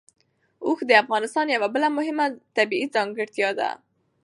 اوښ د افغانستان یوه بله مهمه طبیعي ځانګړتیا ده.